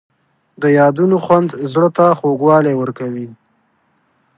د یادونو خوند زړه ته خوږوالی ورکوي.